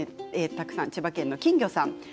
千葉県の方です。